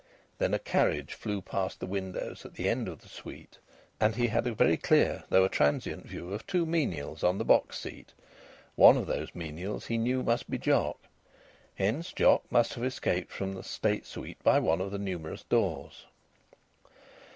Then a carriage flew past the windows at the end of the suite, and he had a very clear though a transient view of two menials on the box seat; one of those menials he knew must be Jock. Hence Jock must have escaped from the state suite by one of the numerous doors.